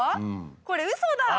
これウソだ！